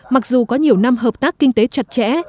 mặc dù có nhiều năm hợp tác kinh tế chặt chẽ